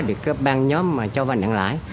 được ban nhóm cho vay nặng lãi